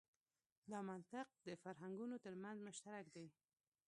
دا منطق د فرهنګونو تر منځ مشترک دی.